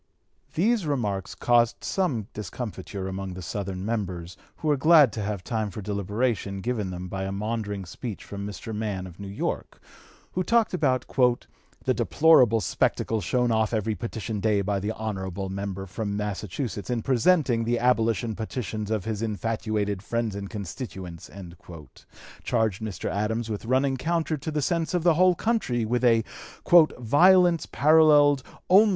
These remarks caused some discomfiture among the Southern members, who were glad to have time for deliberation given them by a maundering speech from Mr. Mann, of New York, who talked about "the deplorable spectacle shown off every petition day by the honorable member from Massachusetts in presenting the abolition petitions of his infatuated friends and constituents," charged Mr. Adams with running counter to the sense of the whole country with a "violence paralleled only (p.